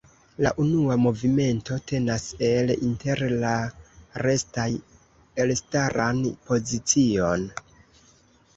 La unua movimento tenas el inter la restaj elstaran pozicion.